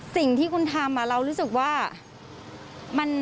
สิ่งที่คุณทำเรารู้สึกว่า